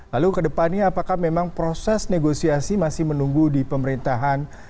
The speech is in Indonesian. lalu ke depannya apakah memang proses negosiasi masih menunggu di pemerintahan